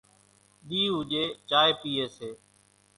ۮِي اُوڄي چائي پيئي سي،